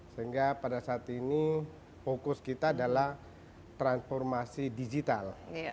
sehingga pada saat ini fokus kita adalah transformasi digital